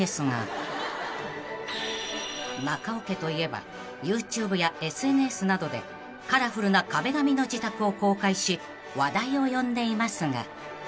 ［中尾家といえばＹｏｕＴｕｂｅやＳＮＳなどでカラフルな壁紙の自宅を公開し話題を呼んでいますが］